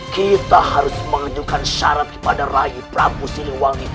kita harus mengejukan syarat kepada rai prabu silulangi